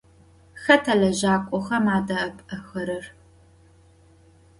Xeta lejak'oxem ade'epı'exerer?